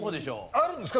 あるんですか？